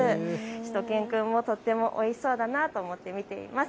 しゅと犬くんもとってもおいしそうだなと思って見ています。